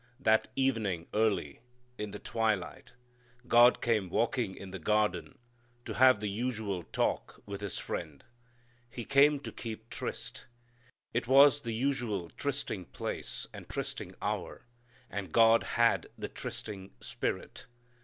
That evening early, in the twilight, God came walking in the garden to have the usual talk with His friend. He came to keep tryst. It was the usual trysting place and trysting hour, and God had the trysting spirit.